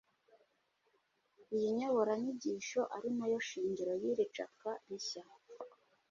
iyi nyoboranyigisho ari nayo shingiro ry iri capwa rishya